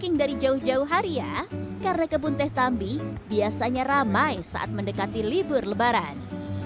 yang dari jauh jauh hari ya karena kebun teh tambi biasanya ramai saat mendekati libur lebaran